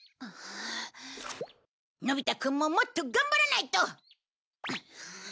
のび太くんももっと頑張らないと！